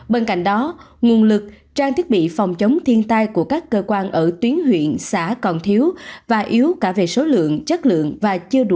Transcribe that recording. bên cạnh đó nguồn lực trang thiết bị phòng chống thiên tai của các cơ quan ở tuyến huyện xã còn thiếu và yếu cả về số lượng chất lượng và chưa đủ